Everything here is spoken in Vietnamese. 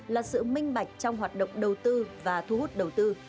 là sự minh bạch trong hoạt động đầu tư và thu hút đầu tư